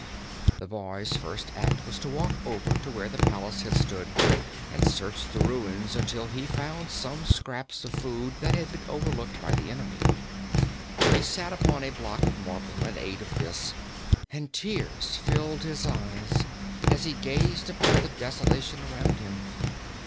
The boy's first act was to walk over to where the palace had stood and search the ruins until he found some scraps of food that had been overlooked by the enemy. He sat upon a block of marble and ate of this, and tears filled his eyes as he gazed upon the desolation around him.